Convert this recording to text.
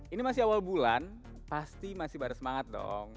ini masih awal bulan pasti masih bersemangat dong